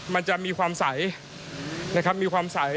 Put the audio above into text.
มันจะมีความใสนะครับมีความใส